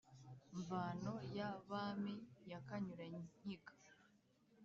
mvano ya bami ya kanyura nkiga